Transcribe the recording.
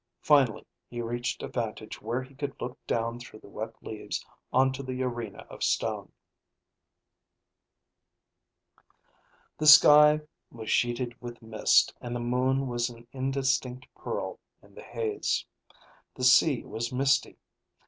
Finally he reached a vantage where he could look down through the wet leaves onto the arena of stone. The sky was sheeted with mist and the moon was an indistinct pearl in the haze. The sea was misty.